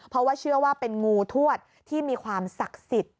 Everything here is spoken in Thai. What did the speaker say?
เพราะว่าเชื่อว่าเป็นงูทวดที่มีความศักดิ์สิทธิ์